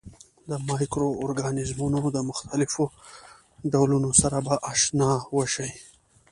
د مایکرو ارګانیزمونو د مختلفو ډولونو سره به آشنايي وشي.